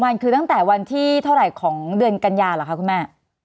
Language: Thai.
วันคือตั้งแต่วันที่เท่าไหร่ของเดือนกัญญาเหรอคะคุณแม่